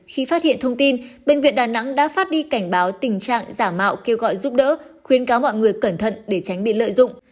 khi phát hiện thông tin bệnh viện đà nẵng đã phát đi cảnh báo tình trạng giả mạo kêu gọi giúp đỡ khuyến cáo mọi người cẩn thận để tránh bị lợi dụng